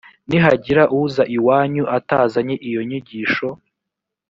nihagira uza iwanyu atazanye iyo nyigisho